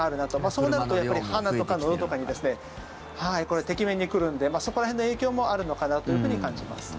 そうなると、鼻とかのどとかにこれ、てきめんに来るんでそこら辺の影響もあるのかなというふうに感じます。